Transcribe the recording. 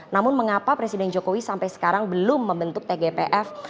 namun mengapa presiden jokowi sampai sekarang belum membentuk tgpf